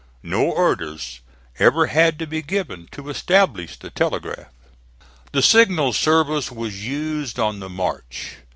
No orders ever had to be given to establish the telegraph. The signal service was used on the march.